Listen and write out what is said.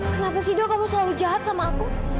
kenapa sido kamu selalu jahat sama aku